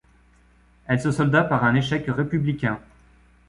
Elle se solda par un échec républicain.